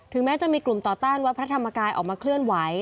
แม้จะมีกลุ่มต่อต้านวัดพระธรรมกายออกมาเคลื่อนไหว